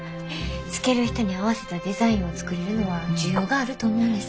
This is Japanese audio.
着ける人に合わせたデザインを作れるのは需要があると思うんです。